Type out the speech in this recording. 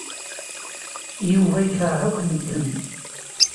Yuba yekṛeh akk medden.